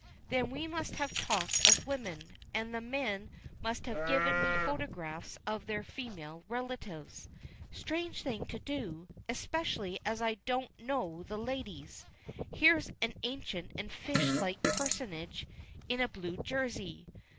Then we must have talked of women, and the men must have given me photographs of their female relatives. Strange thing to do! especially as I don't know the ladies. Here's an ancient and fish like personage in a blue jersey.